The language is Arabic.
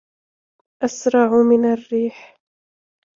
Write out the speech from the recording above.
أسرع من الريح